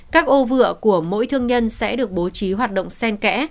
các ô vựa của mỗi thương nhân sẽ được bố trí hoạt động sen kẽ